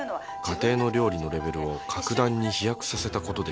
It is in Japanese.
家庭の料理のレベルを格段に飛躍させた事で知られる